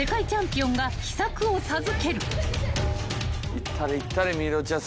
行ったれ行ったれ心優ちゃん。